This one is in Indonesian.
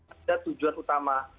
ada tujuan utama